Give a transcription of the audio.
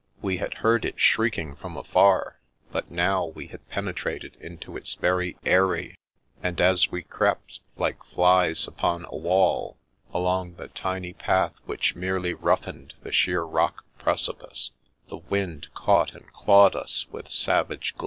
We had heard it shrieking from afar, but now we had pene trated into its very eyrie ; and as we crept, like flies upon a wall, along the tiny path which merely roughened the sheer rock precipice, the wind caught and clawed us with savage glee.